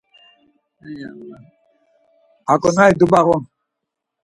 Aǩonari dubağuni?